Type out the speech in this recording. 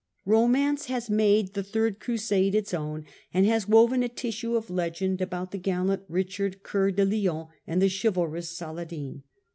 Komance has made the Third Crusade its own, and has woven a tissue of legend about the gallant Richard Coeur de Lion and the chivalrous Saladin.